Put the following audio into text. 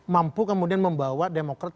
mampu kemudian membawa demokrat